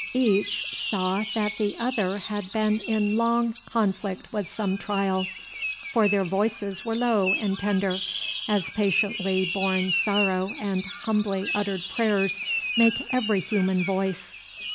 Each saw that the other had been in long conflict with some trial; for their voices were low and tender, as patiently borne sorrow and humbly uttered prayers make every human voice.